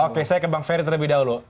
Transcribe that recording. oke saya ke bang ferry terlebih dahulu